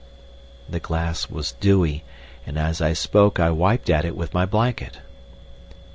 The glass was dewy, and as I spoke I wiped at it with my blanket.